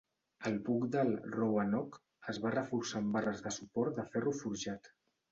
El buc del "Roanoke" es va reforçar amb barres de suport de ferro forjat.